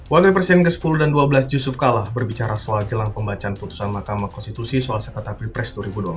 wakil presiden ke sepuluh dan ke dua belas yusuf kala berbicara soal jelang pembacaan putusan mahkamah konstitusi soal sekreta pilpres dua ribu dua puluh empat